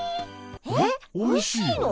えっおいしいの？